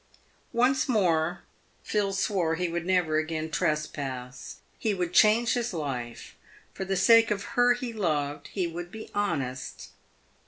Once more Phil swore he would never again trespass. He would change his life. Tor the sake of her he loved, he would be honest.